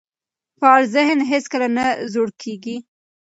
فعال ذهن هیڅکله نه زوړ کیږي.